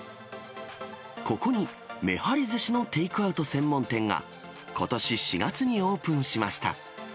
ここに、めはりずしのテイクアウト専門店が、ことし４月にオープンしました。